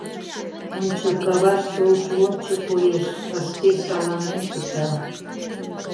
Ончо, каваште ош лончо коеш, вашке шаланен пыта...